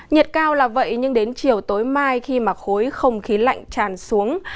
nhiệt cao là vậy nhưng đến chiều tối mai khi mà khối không khí lạnh tràn xuống